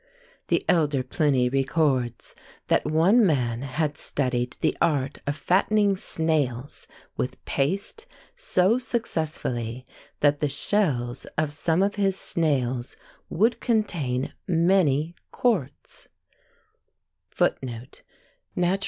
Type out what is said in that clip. The elder Pliny records, that one man had studied the art of fattening snails with paste so successfully, that the shells of some of his snails would contain many quarts.